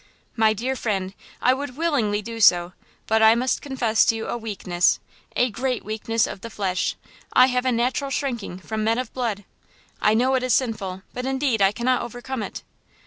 "My dear friend, I would willingly do so, but I must confess to you a weakness–a great weakness of the flesh–I have a natural shrinking from men of blood! I know it is sinful, but indeed I cannot overcome it."